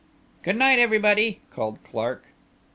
"Good night everybody," called Clark.